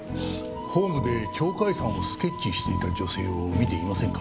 ホームで鳥海山をスケッチしていた女性を見ていませんか？